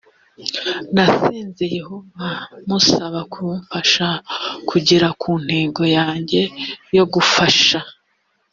nasenze yehova musaba kumfasha kugera ku ntego yanjye yo gufasha